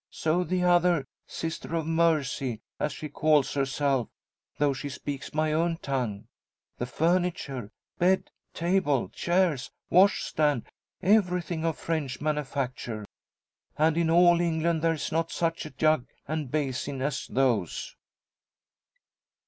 So the other Sister of Mercy, as she calls herself, though she speaks my own tongue. The furniture bed, table, chairs, washstand everything of French manufacture. And in all England there is not such a jug and basin as those!"